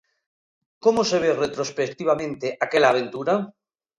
Como se ve retrospectivamente aquela aventura?